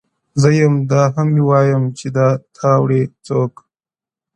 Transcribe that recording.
o زه يم دا مه وايه چي تا وړي څوك؛